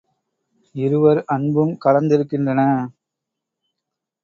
இருவர் அன்பும் கலந்திருக்கின்றன.